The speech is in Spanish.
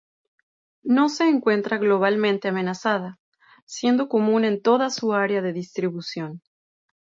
No se encuentra globalmente amenazada, siendo común en toda su área de distribución.